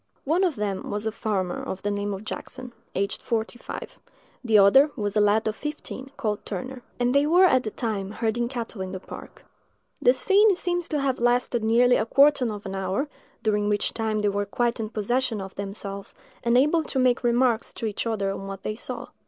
One of them was a farmer of the name of Jackson, aged forty five; the other was a lad of fifteen, called Turner: and they were at the time herding cattle in the park. The scene seems to have lasted nearly a quarter of an hour, during which time they were quite in possession of themselves, and able to make remarks to each other on what they saw.